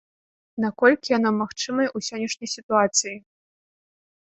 Наколькі яно магчымае ў сённяшняй сітуацыі?